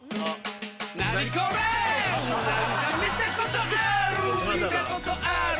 何これ何か見たことあーる見たことあーる